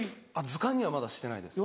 図鑑にはまだしてないです。